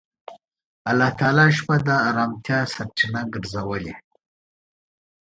الله تعالی شپه د آرامتیا سرچینه ګرځولې.